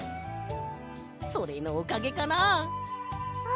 それのおかげかなあ？